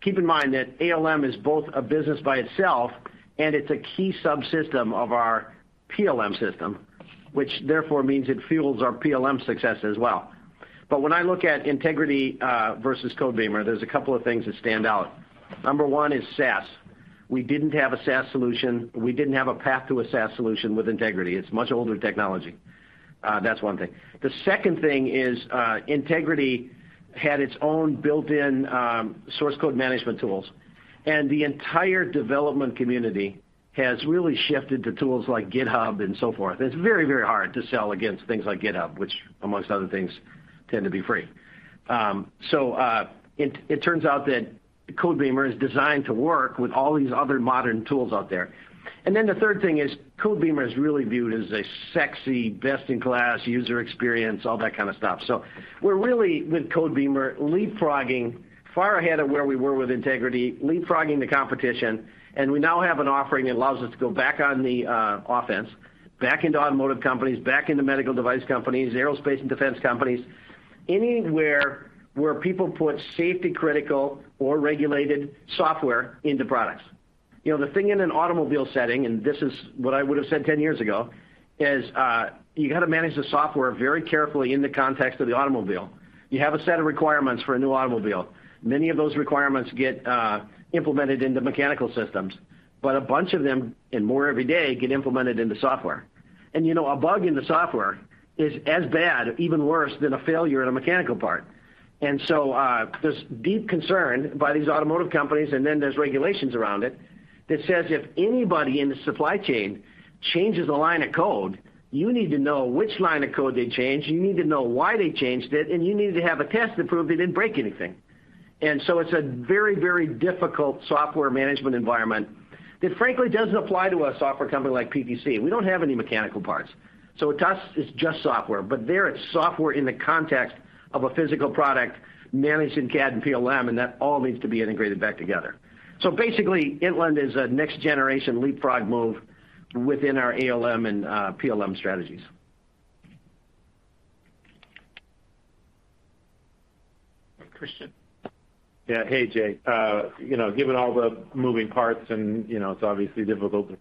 Keep in mind that ALM is both a business by itself, and it's a key subsystem of our PLM system, which therefore means it fuels our PLM success as well. When I look at Integrity versus Codebeamer, there's a couple of things that stand out. Number one is SaaS. We didn't have a SaaS solution. We didn't have a path to a SaaS solution with Integrity. It's much older technology. That's one thing. The second thing is, Integrity had its own built-in source code management tools, and the entire development community has really shifted to tools like GitHub and so forth. It's very, very hard to sell against things like GitHub, which amongst other things, tend to be free. It turns out that Codebeamer is designed to work with all these other modern tools out there. The third thing is Codebeamer is really viewed as a sexy, best-in-class user experience, all that kind of stuff. We're really, with Codebeamer, leapfrogging far ahead of where we were with Integrity, leapfrogging the competition, and we now have an offering that allows us to go back on the offense, back into automotive companies, back into medical device companies, aerospace and defense companies, anywhere where people put safety critical or regulated software into products. You know, the thing in an automobile setting, and this is what I would have said 10 years ago, is, you got to manage the software very carefully in the context of the automobile. You have a set of requirements for a new automobile. Many of those requirements get implemented into mechanical systems, but a bunch of them, and more every day, get implemented into software. You know, a bug in the software is as bad or even worse than a failure in a mechanical part. There's deep concern by these automotive companies, and then there's regulations around it that says if anybody in the supply chain changes a line of code, you need to know which line of code they changed, you need to know why they changed it, and you need to have a test to prove they didn't break anything. It's a very, very difficult software management environment that frankly doesn't apply to a software company like PTC. We don't have any mechanical parts, so to us it's just software. There it's software in the context of a physical product managed in CAD and PLM, and that all needs to be integrated back together. Basically, Intland is a next generation leapfrog move within our ALM and PLM strategies. Christian? Yeah. Hey, Jay. You know, given all the moving parts and, you know, it's obviously difficult to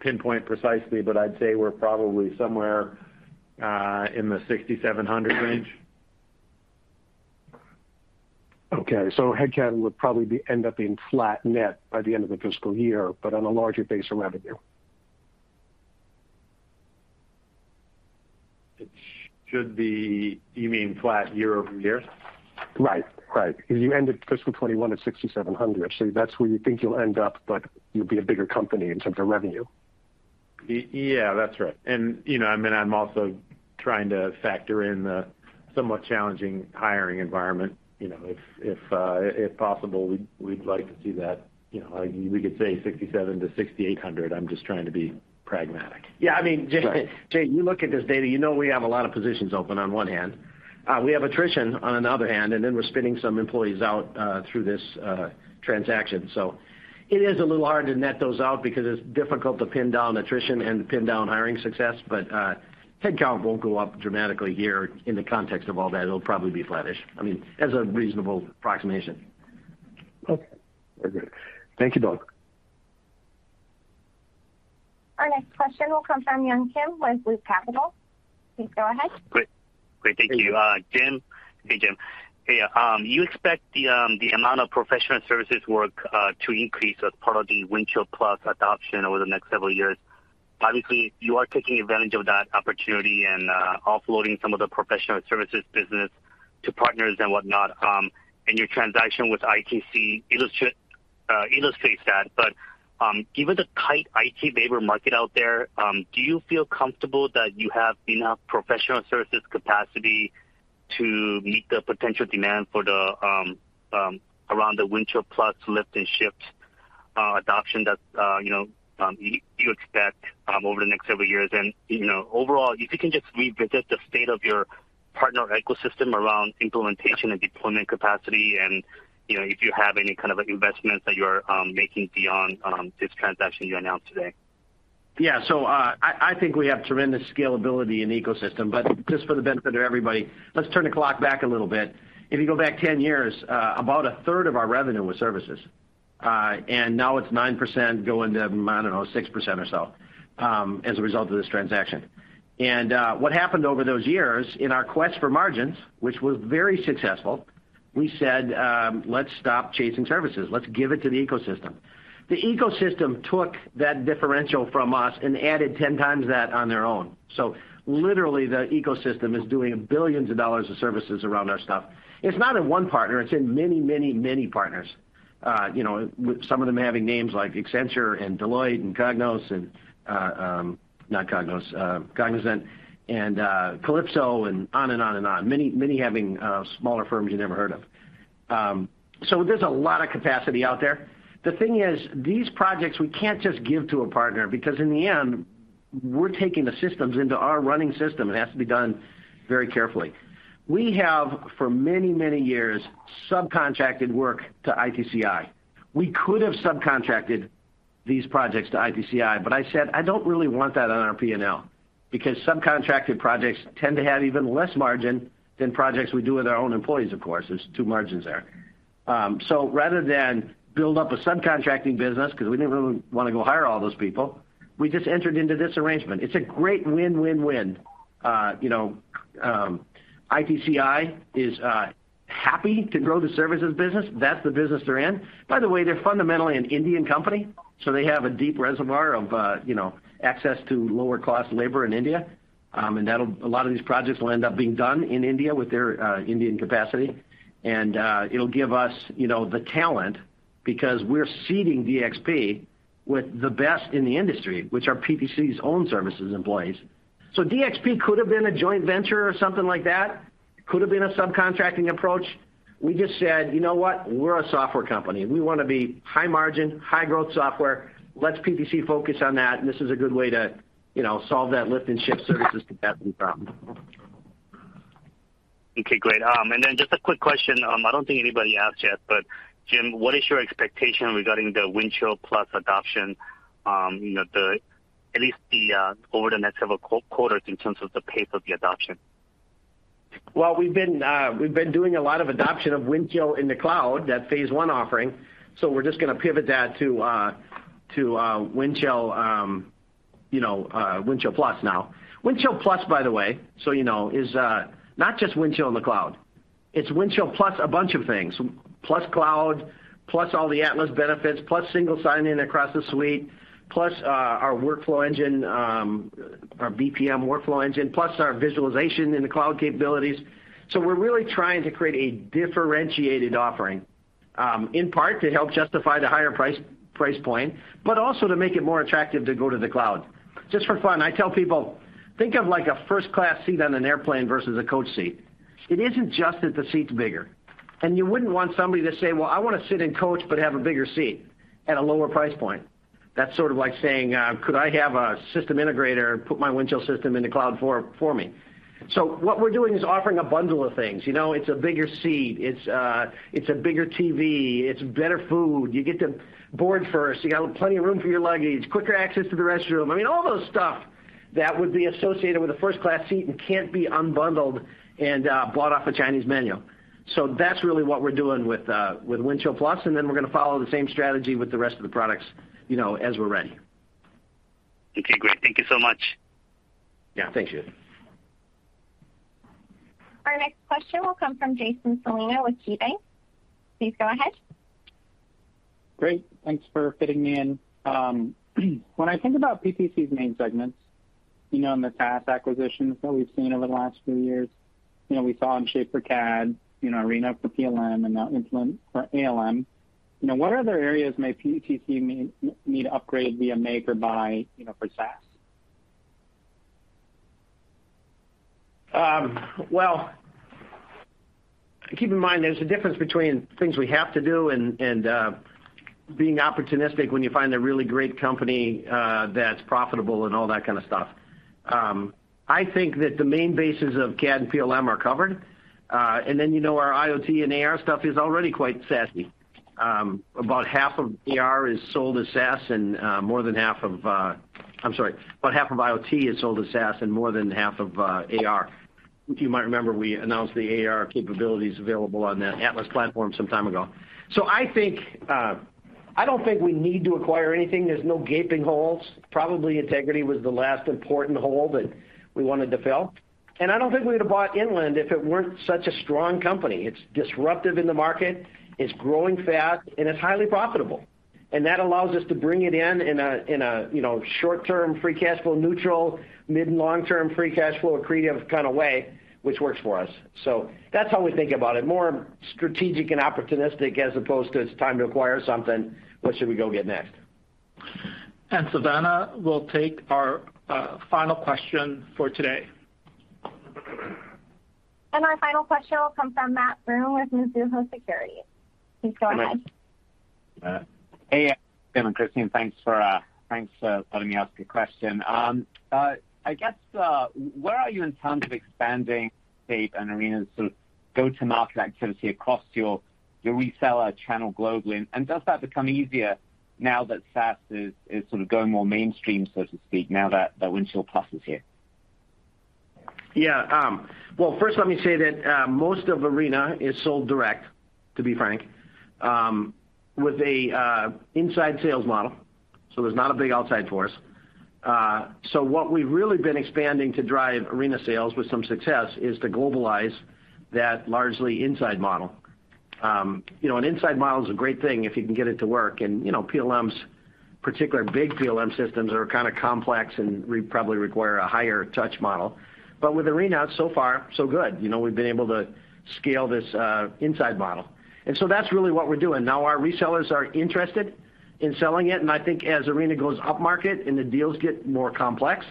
pinpoint precisely, but I'd say we're probably somewhere in the 6,700 range. Headcount would probably end up being flat net by the end of the fiscal year, but on a larger base of revenue. You mean flat year over year? Right. Because you ended fiscal 2021 at $6,700. That's where you think you'll end up, but you'll be a bigger company in terms of revenue. Yeah, that's right. You know, I mean, I'm also Trying to factor in the somewhat challenging hiring environment, you know, if possible, we'd like to see that, you know, we could say 6,700-6,800. I'm just trying to be pragmatic. Yeah, I mean. Right. Jim, you look at this data, you know we have a lot of positions open on one hand. We have attrition on the other hand, and then we're spinning some employees out through this transaction. It is a little hard to net those out because it's difficult to pin down attrition and pin down hiring success. Headcount won't go up dramatically here. In the context of all that, it'll probably be flattish. I mean, as a reasonable approximation. Okay. Very good. Thank you, Doug. Our next question will come from Yun Kim with Loop Capital. Please go ahead. Great, thank you. Hey, Jim. You expect the amount of professional services work to increase as part of the Windchill+ adoption over the next several years. Obviously, you are taking advantage of that opportunity and offloading some of the professional services business to partners and whatnot. Your transaction with ITCI illustrates that. Given the tight IT Labor Market out there, do you feel comfortable that you have enough professional services capacity to meet the potential demand around the Windchill+ lift and shift adoption that you know you expect over the next several years? You know, overall, if you can just revisit the state of your partner ecosystem around implementation and deployment capacity and, you know, if you have any kind of investments that you're making beyond this transaction you announced today. Yeah. I think we have tremendous scalability in ecosystem. Just for the benefit of everybody, let's turn the clock back a little bit. If you go back 10 years, about a third of our revenue was services. And now it's 9% going to, I don't know, 6% or so, as a result of this transaction. What happened over those years in our quest for margins, which was very successful, we said, "Let's stop chasing services. Let's give it to the ecosystem." The ecosystem took that differential from us and added 10 times that on their own. Literally, the ecosystem is doing $ billions of services around our stuff. It's not in one partner, it's in many, many, many partners. You know, with some of them having names like Accenture and Deloitte and Cognizant and Kalypso and on and on and on. Many, many having smaller firms you never heard of. There's a lot of capacity out there. The thing is, these projects, we can't just give to a partner because in the end, we're taking the systems into our running system. It has to be done very carefully. We have for many, many years subcontracted work to ITCI. We could have subcontracted these projects to ITCI, but I said I don't really want that on our P&L because subcontracted projects tend to have even less margin than projects we do with our own employees of course. There's two margins there. Rather than build up a subcontracting business because we didn't really wanna go hire all those people, we just entered into this arrangement. It's a great win-win-win. You know, ITCI is happy to grow the services business. That's the business they're in. By the way, they're fundamentally an Indian company, so they have a deep reservoir of, you know, access to lower cost labor in India. A lot of these projects will end up being done in India with their Indian capacity. It'll give us, you know, the talent because we're seeding DxP with the best in the industry, which are PTC's own services employees. DxP could have been a joint venture or something like that. Could have been a subcontracting approach. We just said, "You know what? We're a software company. We wanna be high margin, high growth software. Let PTC focus on that, and this is a good way to, you know, solve that lift and shift services capacity problem. Okay, great. Just a quick question. I don't think anybody asked yet, but Jim, what is your expectation regarding the Windchill+ adoption? At least over the next several quarters in terms of the pace of the adoption? Well, we've been doing a lot of adoption of Windchill in the cloud, that phase one offering. We're just gonna pivot that to Windchill, you know, Windchill+ now. Windchill+, by the way, so you know, is not just Windchill in the cloud. It's Windchill plus a bunch of things. Plus cloud, plus all the Atlas benefits, plus single sign-in across the suite, plus our workflow engine, our BPM workflow engine, plus our visualization in the cloud capabilities. We're really trying to create a differentiated offering, in part to help justify the higher price point, but also to make it more attractive to go to the cloud. Just for fun, I tell people, think of like a first class seat on an airplane versus a coach seat. It isn't just that the seat's bigger, and you wouldn't want somebody to say, "Well, I wanna sit in coach, but have a bigger seat at a lower price point." That's sort of like saying, "Could I have a system integrator put my Windchill system in the cloud for me?" What we're doing is offering a bundle of things. You know, it's a bigger seat, it's a bigger TV, it's better food. You get to board first. You got plenty of room for your luggage, quicker access to the restroom. I mean, all those stuff that would be associated with a first class seat and can't be unbundled and bought off a Chinese menu. That's really what we're doing with Windchill+. Then we're gonna follow the same strategy with the rest of the products, you know, as we're ready. Okay, great. Thank you so much. Yeah. Thank you. Our next question will come from Jason Celino with KeyBanc. Please go ahead. Great. Thanks for fitting me in. When I think about PTC's main segments, you know, in the past acquisitions that we've seen over the last few years. You know, we saw in Onshape CAD, you know, Arena for PLM and now Intland for ALM. You know, what other areas may PTC need to upgrade via make or buy, you know, for SaaS? Well, keep in mind there's a difference between things we have to do and being opportunistic when you find a really great company that's profitable and all that kind of stuff. I think that the main bases of CAD and PLM are covered. Then, you know, our IoT and AR stuff is already quite SaaS-Y. About half of IoT is sold as SaaS and more than half of AR. If you might remember, we announced the AR capabilities available on the Atlas platform some time ago. I think, I don't think we need to acquire anything. There's no gaping holes. Probably Integrity was the last important hole that we wanted to fill, and I don't think we would've bought Intland if it weren't such a strong company. It's disruptive in the market, it's growing fast, and it's highly profitable. That allows us to bring it in in a, you know, short-term free cash flow neutral, mid and long-term free cash flow accretive kind of way, which works for us. That's how we think about it, more strategic and opportunistic as opposed to it's time to acquire something, what should we go get next? Savannah will take our final question for today. Our final question will come from Matthew Broome with Mizuho Securities. Please go ahead. Hey, Jim and Kristian, thanks for letting me ask a question. I guess where are you in terms of expanding Onshape and Arena's sort of go-to-market activity across your reseller channel globally? Does that become easier now that SaaS is sort of going more mainstream, so to speak, now that Windchill+ is here? Yeah. Well, first let me say that most of Arena is sold direct, to be frank, with a inside sales model, so there's not a big outside force. What we've really been expanding to drive Arena sales with some success is to globalize that largely inside model. You know, an inside model is a great thing if you can get it to work and, you know, PLMs, particular big PLM systems are kind of complex and probably require a higher touch model. With Arena, it's so far so good. You know, we've been able to scale this inside model. That's really what we're doing. Now our resellers are interested in selling it, and I think as Arena goes upmarket and the deals get more complex,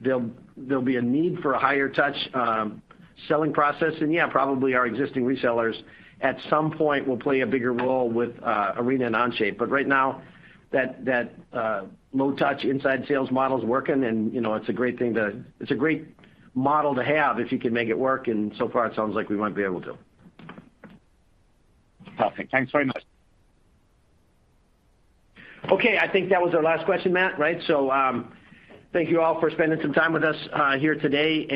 there'll be a need for a higher touch selling process. Yeah, probably our existing resellers at some point will play a bigger role with Arena and Onshape. Right now that low touch inside sales model's working and, you know, it's a great model to have if you can make it work, and so far it sounds like we might be able to. Perfect. Thanks very much. Okay. I think that was our last question, Matt, right? Thank you all for spending some time with us here today.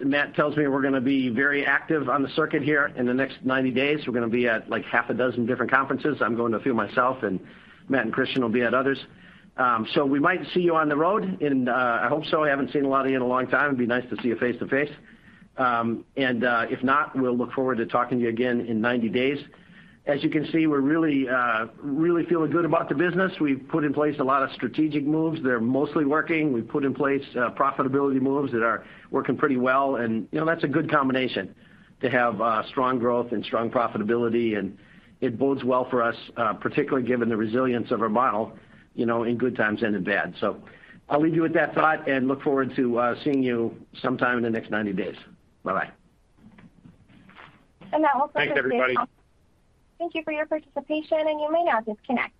Matt tells me we're gonna be very active on the circuit here in the next 90 days. We're gonna be at, like, 6 different conferences. I'm going to a few myself, and Matt and Kristian will be at others. We might see you on the road and I hope so. I haven't seen a lot of you in a long time. It'd be nice to see you face-to-face. If not, we'll look forward to talking to you again in 90 days. As you can see, we're really feeling good about the business. We've put in place a lot of strategic moves. They're mostly working. We've put in place, profitability moves that are working pretty well. You know, that's a good combination to have, strong growth and strong profitability, and it bodes well for us, particularly given the resilience of our model, you know, in good times and in bad. I'll leave you with that thought and look forward to, seeing you sometime in the next 90 days. Bye-bye. That will close the. Thanks, everybody. Thank you for your participation, and you may now disconnect.